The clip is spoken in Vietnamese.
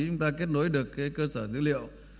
chúng ta kết nối được cơ sở dữ liệu